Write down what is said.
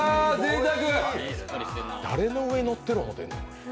誰の上に乗ってる思うてんねん。